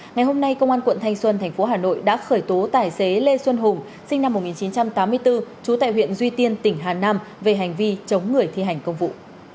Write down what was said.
ngày hôm nay công an quận thanh xuân tp hà nội đã khởi tố tài xế lê xuân hùng sinh năm một nghìn chín trăm tám mươi bốn trú tại huyện duy tiên tỉnh hà nam về hành vi chống người thi hành công vụ